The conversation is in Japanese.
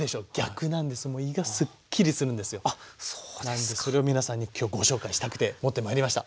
なんでそれを皆さんに今日ご紹介したくて持ってまいりました。